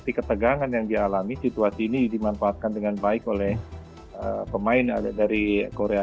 tapi ketegangan yang dialami situasi ini dimanfaatkan dengan baik oleh pemain dari korea